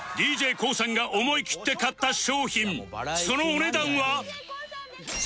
ＤＪＫＯＯ さんが思い切って買った商品そのお値段は？